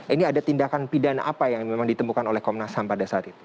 ini ada tindakan pidana apa yang memang ditemukan oleh komnas ham pada saat itu